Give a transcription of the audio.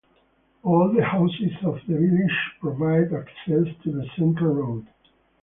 All the houses of the village provide access to the central road.